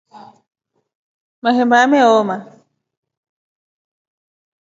Mahemba yameoma.